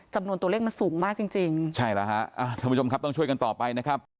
จำนวนตัวเลขมันสูงมากจริงจริงใช่แล้วฮะอ่าท่านผู้ชมครับต้องช่วยกันต่อไปนะครับ